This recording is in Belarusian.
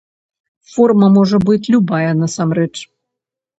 Форма можа быць любая насамрэч.